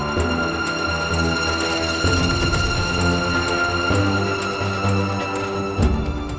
aku mau ke rumah